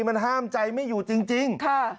มันห้ามใจไม่อยู่จริง